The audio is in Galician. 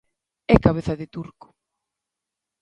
E cabeza de turco.